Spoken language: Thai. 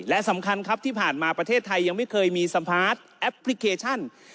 และสำคัญครับที่ผ่านมาประเทศไทยยังไม่เคยมีสัมภาษณ์แอปพลิเคชัน